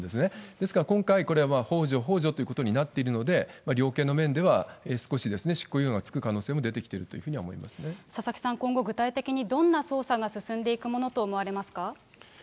ですから今回、これはほう助、ほう助ということになっているので、量刑の面では少し執行猶予が付く可能性も出てきているというふう佐々木さん、今後具体的にどんな捜査が進んでいくものと思われますか。